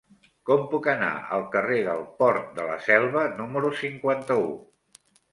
Com puc anar al carrer del Port de la Selva número cinquanta-u?